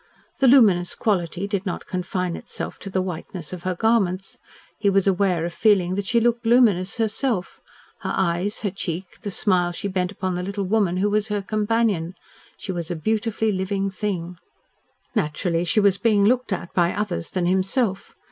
The luminous quality did not confine itself to the whiteness of her garments. He was aware of feeling that she looked luminous herself her eyes, her cheek, the smile she bent upon the little woman who was her companion. She was a beautifully living thing. Naturally, she was being looked at by others than himself.